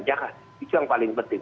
jakarta itu yang paling penting